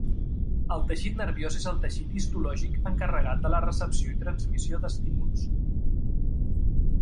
El teixit nerviós és el teixit histològic encarregat de la recepció i transmissió d'estímuls.